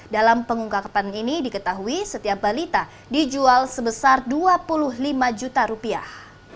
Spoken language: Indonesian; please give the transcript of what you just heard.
dalam pengungkapan ini diketahui setiap balita dijual sebesar dua puluh lima juta rupiah